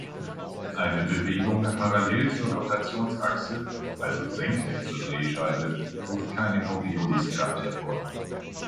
Eine Bewegung parallel zur Rotationsachse, also senkrecht zur Drehscheibe, ruft keine Corioliskraft hervor.